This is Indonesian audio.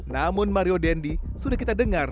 namun mario dendy sudah kita dengar